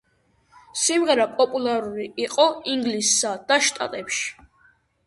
სიმღერა პოპულარული იყო ინგლისსა და შტატებში.